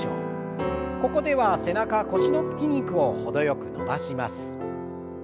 ここでは背中腰の筋肉を程よく伸ばします。